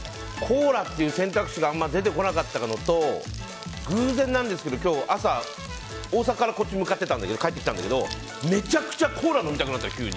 コーラっていう選択肢があまり出てこなかったのと偶然なんですけど今日の朝、大阪からこっちに帰ってきたんだけどめちゃくちゃ急にコーラ飲みたくなったの。